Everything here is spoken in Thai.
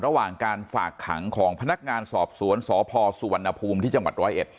ระหว่างการฝากขังของพนักงานสอบสวนสพสุวรรณภูมิที่จังหวัดร้อยเอ็ด